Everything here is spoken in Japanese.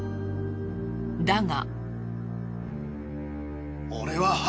だが。